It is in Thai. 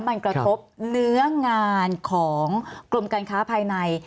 มันกระทบเนื้องานของกรมการค้าภายใน